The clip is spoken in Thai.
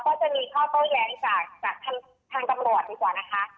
ก็คือมีคำสั่งว่าให้มีลูกจ้องทำลายหลักฐานนะคะ